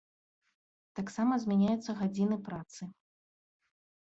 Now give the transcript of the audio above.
Таксама змяняюцца гадзіны працы.